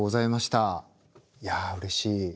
いやうれしい。